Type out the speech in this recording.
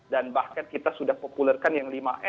dan bahkan kita sudah populerkan yang lima m